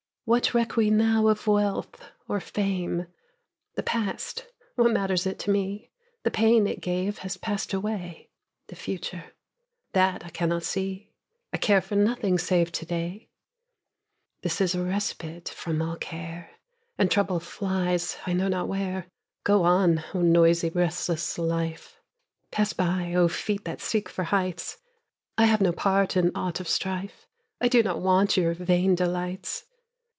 What reck we now of wealth or fame? The past what matters it to me? The pain it gave has passed away. The future that I cannot see! I care for nothing save to day This is a respite from all care, And trouble flies I know not where. Go on, oh, noisy, restless life! Pass by, oh, feet that seek for heights! I have no part in aught of strife; I do not want your vain delights.